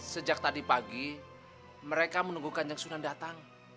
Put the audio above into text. sejak tadi pagi mereka menunggu kanjeng sunan datang